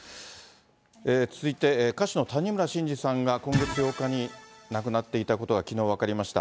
続いて、歌手の谷村新司さんが今月８日に亡くなっていたことが、きのう分かりました。